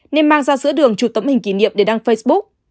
nên mang ra giữa đường chụp tấm hình kỷ niệm để đăng facebook